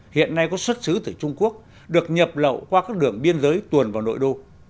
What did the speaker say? hiện nay có xuất xứ từ trung quốc được nhập lậu qua các đường biên giới tuồn vào nội đô